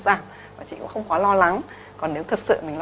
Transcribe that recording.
và đến khoảng ngày thứ một mươi